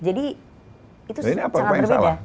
jadi itu sangat berbeda